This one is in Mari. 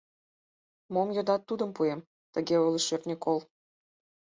Мом йодат, тудым пуэм», Тыге ойлыш шӧртньӧ кол.